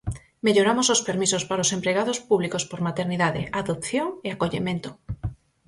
Melloramos os permisos para os empregados públicos por maternidade, adopción e acollemento.